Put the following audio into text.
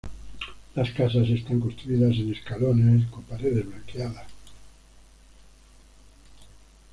Las casas están construidas en escalones, con paredes blanqueadas.